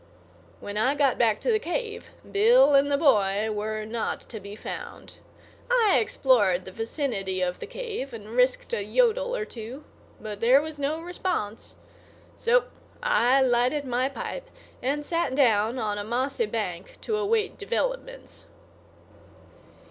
When I got back to the cave Bill and the boy were not to be found. I explored the vicinity of the cave, and risked a yodel or two, but there was no response. So I lighted my pipe and sat down on a mossy bank to await developments.